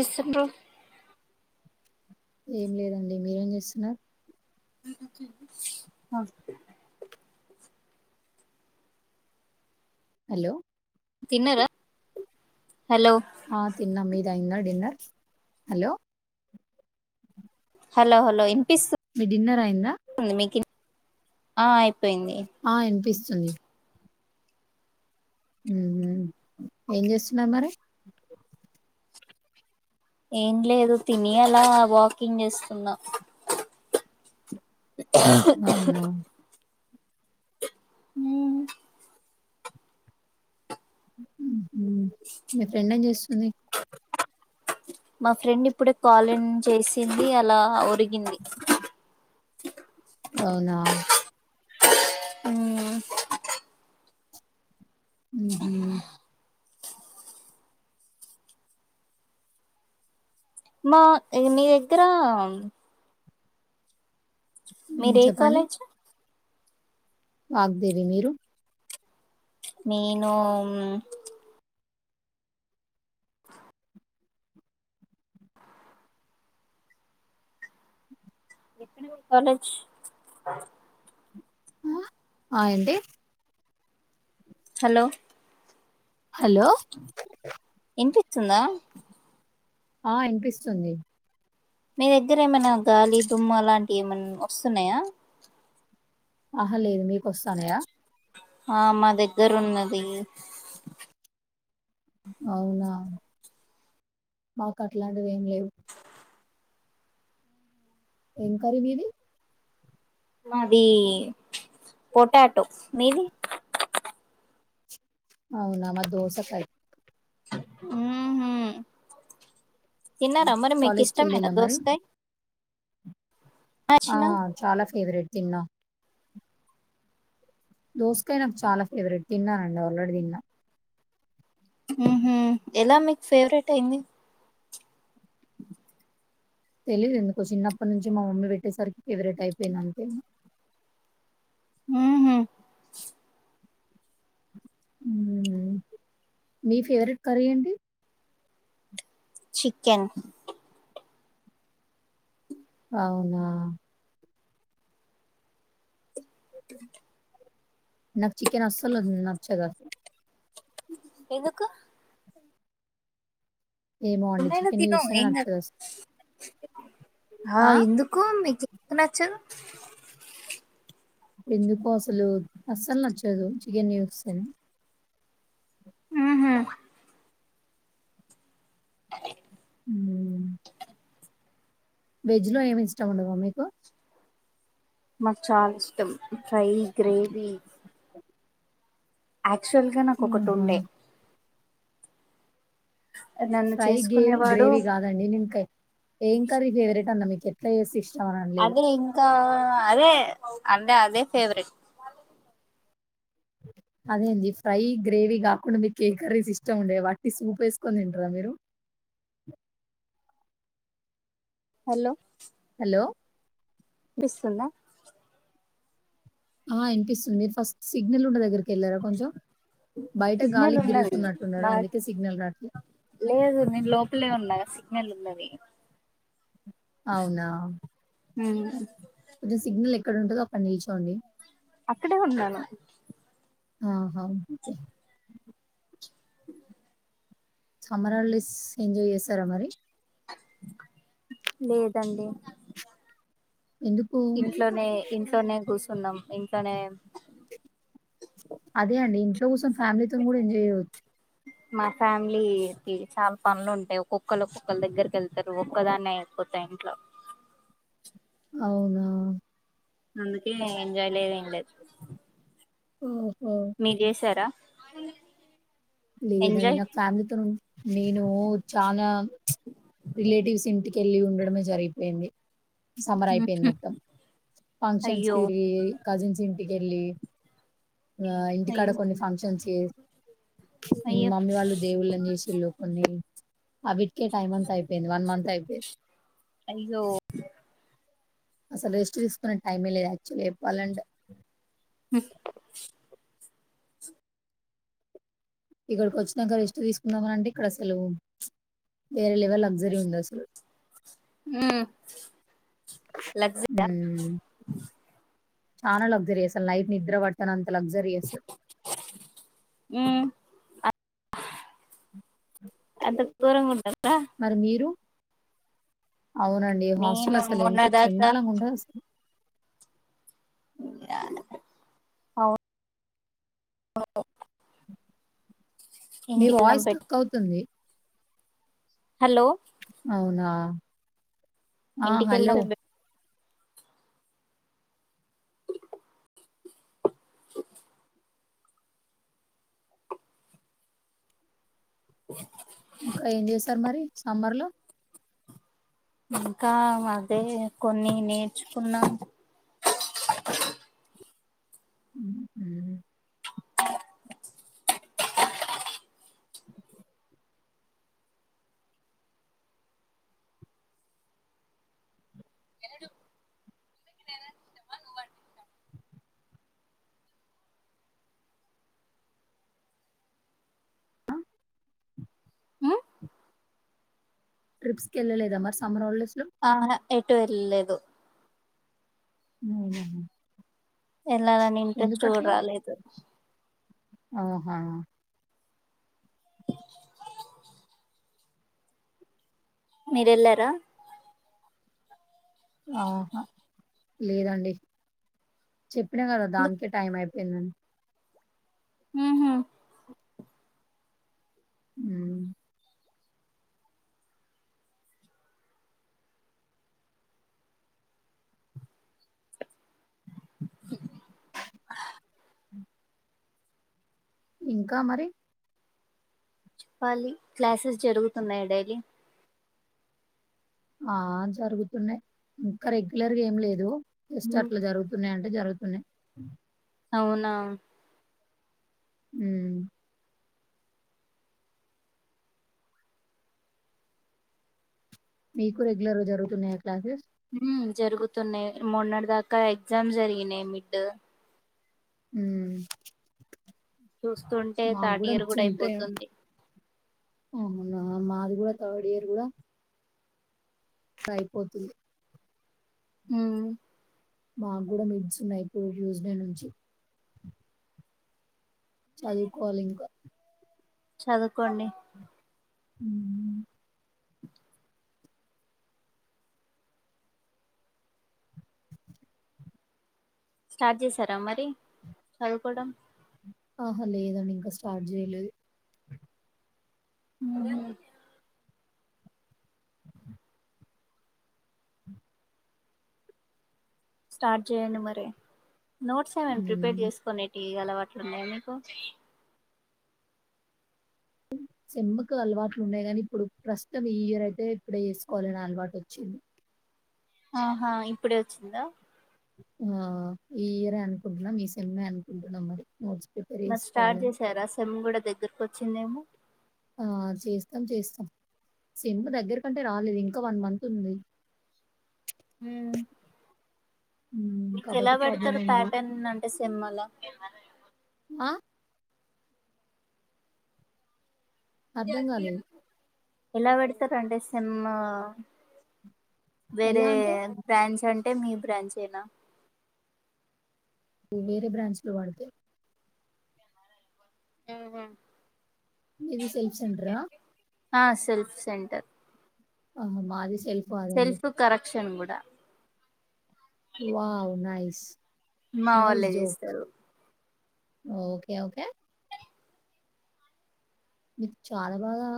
ఏసుండ్రు ఏం లేదండి మీరేం చేస్తున్నారు హలో తిన్నరా ఆ తిన్నం మీదయింద డిన్నర్ హలో హలో హలో ఇన్ మీ డిన్నర్ అయిందా? ఆ ఆయి ఆ వినిపిస్తుంది. ఉహు ఏం చేస్తున్నారు మరి? ఏం లేదు తిని అలా వాకింగ్ చేస్తున్నా. అవున ఉ మీ ఫ్రెండ్ ఏం చేస్తుంది? మా ఫ్రెండ్ ఇప్పుడే కాల్ ఇన్ చేసింది. అలా ఒరిగింది. అవునా ఉమ్ ఆహ మా ఇంగ ని ఎగ్గర మ్మ్, మీరు ఏ చెప్పండి కాలేజ్? వాగ్దేవి మీరు? నేను ఎక్కడ ఉన్ కాలేజ్ ఆ ఆ ఏంటి? హలో హలో చ్చుందా ఆ అనిపిస్తుంది. మీ దగ్గర ఏమైనా గాలి, దుమ్మ లాంటివి ఏమన్నా వస్తున్నాయా? ఆహా లేదు మీకుస్తానయా? ఆ మా దగ్గర ఉన్నది. అవునా మాకు అట్లాంటివి ఏం లేవు? ఏం కార వీది మాది పొటాటో మీది? అవునా మ దోసకాయ్ మ్హ తిన్నారా మరి మీకు కాలేజ్కి ఇష్టమేనా వెళ్ళిలా మరి దోసకాయ్? ఆ చాలా ఫేవరెట్ తిన్నా. దోస్కాయ నాకు చాలా ఫేవరెట్ తిన్నానండి ఆల్రెడీ తిన్నా. ఉహ ఎలా మీకు ఫేవరెట్ అయింది? తెలిదు ఎందుకో చిన్నప్పటి నుంచి మా మమ్మీ పెట్టేసరికి ఫేవరెట్ అయిపోయింది అంతేమ ఆహ మీ ఫేవరెట్ కర్రీ ఏంటి? చికెన్ అవునా దువేంత నాకు చికెన్ అస్సలు నాకు నచ్చద ఎందుకు? ఏమో అండి కొన్నాయినా చికెన్ తిను చూస్తేనే ఏంకాదు. నచ్చదు అసలు. ఆ ఎందుకో మీకి నచ్చదు ఎందుకో అసలు అస్సలు నచ్చదు చికెన్ ూస్తేనే హుహ్ వెజ్ లో ఏమి ఇష్టం ఉండవా మీకు మక్ చాలిష్టం ఫ్రై గ్రేవి యాక్చువల్ గా నాకొకటి ఆహా! ఉండే నన్ను ఫ్రై గే చేసుకునేవాడు గ్రేవీ కాదండి నేనుకా ఏం కర్రీ ఫేవరెట్ అన్నా మీకు ఎట్లా చేేసి ఇష్టం అని అనలేదు. అదే ఇంకా అదే అంటే అదే ఫేవరెట్ [inaudible] అదే అండి ఫ్రై గ్రేవీ కాకుండా మీకు కేక్ కర్రీస్ ఇష్టం ఉండేవి వాట్టి సూప్ వేసుకోనింటారా మీరు [inaudible] హలో హలో వినిపిస్తుందా ఆహ్ వినిపిస్తుంది ఫస్ట్ సిగ్నల్ ఉన్న దగ్గరికి వెళ్ళారా కొంచెం బయట సిగ్నల్ గాలికి ఉన్నది తిరుగుతున్నట్టున్నారు బా అందుకే సిగ్నల్ రాట్లేదు లేదు నేను లోపలే ఉన్నా సిగ్నల్ ఉన్నది అవునా ఉమ్ కొంచెం సిగ్నల్ ఎక్కడ ఉంటుందో అక్కడ నిల్చోండి అక్కడే ఉన్నాను ఆహా సమ్మరాల్డేస్ ఎంజాయ్ చేస్తారా మరి లేదండి ఎందుకు? ఇంట్లోనే ఇంట్లోనే కూసున్నాం ఇంట్లోనే అదే అండి. ఇంట్లో కోసం ఫ్యామిలీతో కూడా ఎంజాయ్ చేయవచ్చు మా ఫ్యామిలీ కి చాలా పనులు ఉంటాయి ఒక్కొక్కళ్ళు ఒక్కొక్కళ్ దగ్గరికి వెళ్తారు ఒక్కదాన్నే అయిపోతు దాయి్ ఇంట్లో [inaudible] అవునా అందుకే ఎంజాయ్ లేద్ ఎం లేద్ ఉమ్ మీరు చేసారా లేదండి ఎంజాయ్ నా ఫ్యామిలీతో నేను చాలా రిలేటివ్స్ ఇంటికెళ్ళి ఉండడమే జరిగిపోయింది సమ్మర్ అయిపోయింది మొత్తం ఫంక్షన్స్ అయ్యో తిరిగి కజిన్స్ ఇ ఎళ్ళి ఇగ ఇంటికాడ అయ్యో కొన్ని ఫంక్షన్స్ ఇంగ అయ్యో మమ్మీ వాళ్ళు దేవుళ్ళని చేసిళ్ళు కొన్ని అవీటికే టైమ్ అంతా అయిపోయింది వన్ మంత్ అయిపోయింది అయ్యో అసలు రెస్ట్ తీసుకునే టైమే లేదు యాక్చువల్లీ చెప్పాలంటే హు ఇక్కడికి వచ్చినాంక ఎష్ట్ తీసుకుందామంటే ఇక్కడ అసలు వేరే లేవాలగ్జరి ఉందాసలు ఉమ్ లగ్జరి ఆహ్ చానా లగ్జరి అసలు నైట్ నిద్ర పట్టనంత అబ్జర్వ్ చేసుకుంటే అంత గొరంగా ఉంటారు కదా మరి మీరు అవునండి హాస్టల్ నేను అసలు మొన్న ఎంత దాకా చెండాలగా ఉంటది అసలు అవును మీ వాయిస్ పెట్ స్టక్ అవుతుంది హలో అవునా ఆ ఇంటికి హలో వెళ్ళాం [inaudible] ఇంకా ఏం చేశారు మరి సమ్మర్ లో ఇంకా అదే కొన్ని నేర్చుకున్నాం [inaudible] [inaudible] ఉమ్ ట్రిప్స్కి వెళ్ళలేదా మరి సమ్మర్ హాలిడేస్ లో? ఆ హా ఏటు వెళ్ళలేదు హుహమ్ వెళ్లాలని ఇంట్రెస్ట్ కూడా రాలేదు ఓహో మీర వెళ్లారా ఆహా లేదండి చెప్పినా కదా ఎందుకు? దానికే టైం అయిపో ఏడి ఉహు ఉ ఇంకా మరి చెప్పాలి క్లాసెస్ జరుగుతున్నాయి డైలీ ఆ జరుగుతున్నాయి ఇంకా రెగ్యులర్గా ఏం లేదు ఎస్ట్ అట్లా జరుగుతున్నాయి అంటే జరుగుతున్నాయి అవునా ఉ మీకు రెగ్యులర్గా జరుగుతున్నాయా క్లాసెస్ ఉ జరుగుతున్నాయి్ మొన్నటి దాకా ఎగ్జామ్ జరిగినాయి మిడ్ ఉ చూస్తుంటే మాకు థర్డ్ కూడా ఇయర్ వచ్చుంటా అయిపోతుంది అవునా మాది కూడా థర్డ్ ఇయర్ కూడా సయిపోతుంది ఉ మాకు కూడాూడ మిడ్స్ ఉన్నాయిప్పుడు ట్యూస్డే నుంచి చదువుకోవాలి ఇంకా చదువుకోండి ఉ స్టార్ట్ చేసారా మరి చదువుకోవడం ఆహా లేదండి ఇంకా స్టార్ట్ చేయలేదు ఉహు స్టార్ట్ చేయండి మరి నోట్స్ ఏమైనా ప్రిపేర్ హ్మ్. చేసుకుొనేటి ఇ అలవాట్లున్నాయి మీకు సేమ్ కి అలవాట్లు ఉన్నాయి కానీ ఇప్పుడు ప్రస్తుతం ఈ ఇయర్ అయితే ఇప్పుడే చేసుకోవాలనే అలవాటు వచ్చింది ఆహా ఇప్పుడే వచ్చిందా ఆ ఈ ఇయరే అనుకుంటున్నాం ఈ సేమే అనుకుంటున్నాం మరి నోడ్ మరి స్టార్ట్ చేసారా సెమ్ కూడా దగ్గరకు వచ్చిందేమో ఆ చేస్తాం చేస్తాం సేమ్ దగ్గర కంటే రాలేదు ఇంకా వన్ మంత్ ఉంది ఉ హ్మ్. మీకు ఎలా కాబట్టి ప్రాబ్లమ్ పడతారు ఏం లేదు. ప్యాటర్న్ అంటే సేమ్ అలా ఏది ఆ అర్థం గాలేదు. ఎలా పెడతారు అంటే సమ్ వేరే ఎలా అంటే? బ్రాంచ్ అంటే మీ బ్రాంచేనా ను వేరే బ్రాంచ్ లో వాడితే ఉహు మీది సెల్ఫ్ సెంటరా? ఆ సెల్ఫ్ సెంటర్ ఆ మాది సెల్ఫ్ కాదండి సెల్ఫ్ కరెక్షన్ కూడా వావ్ నయిస్ మా వాళ్ళే చేస్తారు ఓకే ఓకే మీకు చాలా బాగా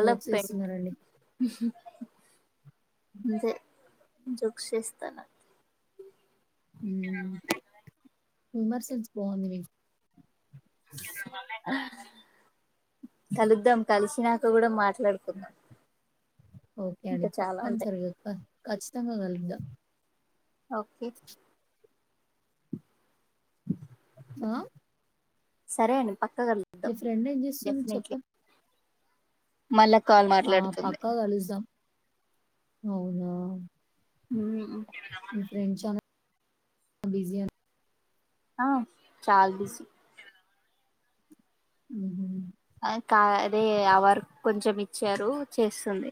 జోక్స్ ఏస్తున్నారండి. అంతే జోక్ చేస్తున్నా హుమర్ సన్స్ బాగుంది మీ కిందటి వారమే కలుద్దాం కలిసినాక కూడా మాట్లాడుకుందాం ఓకే అండి ఇంకా చాలా తప్పని ఉంటాయి సరిగా ఖచ్చితంగా కలుగుద్దాం ఓకే ఆ సరే అండి పక్క మీ కలుద్దాం ఫ్రెండ్ ఏం జేస్తుంది డెఫినెట్లీ చెప్పండి? మళ్ళా కాల్ ఆ మాట్లాడుతుంది పక్క కలుస్తాం అవునా ఫ్రెంచ్ బిసియ ఆ చాలదిసి ఉ కా అదే ఆ వర్క్ కొంచెం ఇచ్చారు చేస్తుంది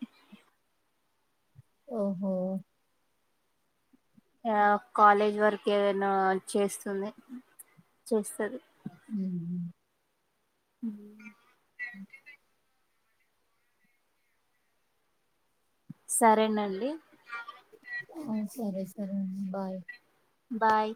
ఓహో ఆ కాలేజ్ వర్క్ ఏదైనా చేస్తుంది చేస్తది ఉ హు సరేనండి ఆ సరే సరే బాయ్ బాయ్